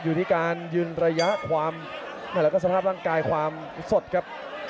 อยู่ที่ยืนระยะความสภาพร่างไก่ความสดครับ